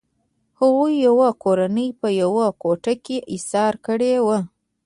هغوی یوه کورنۍ په یوه کوټه کې ایساره کړې وه